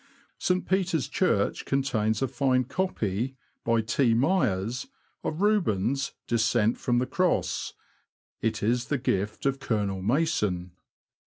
St. Peter's Church contains a fine copy, by T. Myers, of Rubens' '' Descent from the Cross ;" it is the gift of Col. Mason.